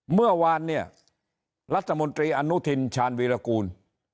เมื่อวานเนี่ยรัฐมนตรีอนุทินชาญวีรกูล